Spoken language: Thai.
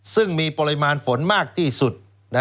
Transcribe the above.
ซึ่งมีปริมาณฝนมากที่สุด